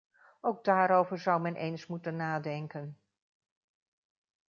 Ook daarover zou men eens moeten nadenken.